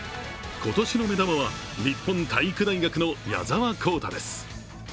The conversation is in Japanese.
今年の目玉は、日本体育大学の矢澤宏太です。